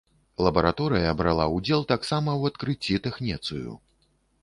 Лабараторыя брала ўдзел таксама ў адкрыцці тэхнецыю.